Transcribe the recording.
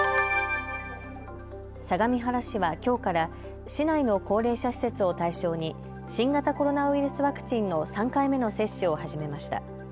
相模原市はきょうから市内の高齢者施設を対象に新型コロナウイルスワクチンの３回目の接種を始めました。